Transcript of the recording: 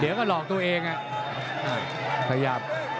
เดี๋ยวก็ลอกตัวเองนะ